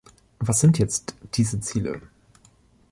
Was sind jetzt diese Ziele?